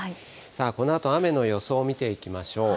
このあと雨の予想を見ていきましょう。